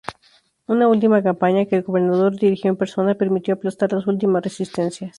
Una última campaña, que el gobernador dirigió en persona, permitió aplastar las últimas resistencias.